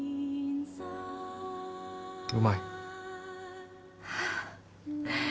うまい。